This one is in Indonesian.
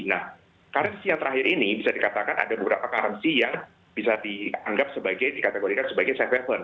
nah currency yang terakhir ini bisa dikatakan ada beberapa currency yang bisa dianggap sebagai dikategorikan sebagai safe haven